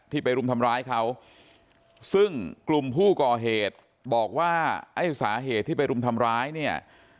ไปรุมทำร้ายเขาซึ่งกลุ่มผู้ก่อเหตุบอกว่าไอ้สาเหตุที่ไปรุมทำร้ายเนี่ย